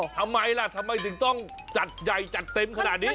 ทำไมล่ะทำไมถึงต้องจัดใหญ่จัดเต็มขนาดนี้